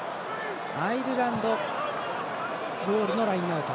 アイルランドボールのラインアウト。